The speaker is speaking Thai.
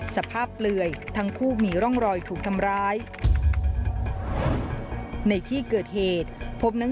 สุดท้ายสุดท้ายสุดท้าย